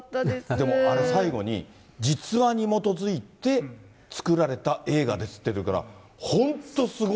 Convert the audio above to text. でもあれ、最後に実話に基づいて作られた映画ですって出てるから、本当、す